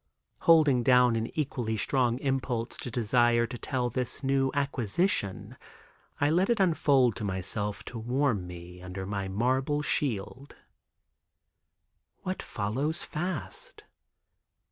Holding down an equally strong impulse to desire to tell this new acquisition, I let it unfold to myself to warm me under my marble shield. What follows fast?